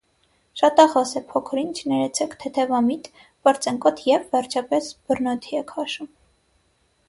Շատախոս է, փոքր֊ինչ- ներեցեք- թեթևամիտ, պարծենկոտ և, վերջապես, բռնոթի է քաշում: